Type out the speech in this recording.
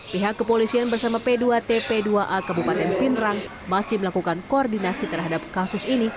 pihak kepolisian bersama p dua tp dua a kabupaten pindrang masih melakukan koordinasi terhadap kasus ini